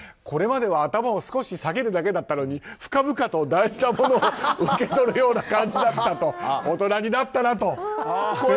これまでは頭を少し下げるだけだったのに深々と大事なものを受け取るような感じだったと大人になったなと。